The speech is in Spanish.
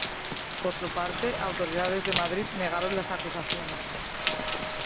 Por su parte, autoridades de Madrid negaron las acusaciones.